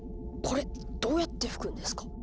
これどうやって吹くんですか？